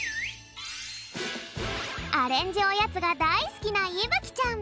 アレンジおやつがだいすきないぶきちゃん。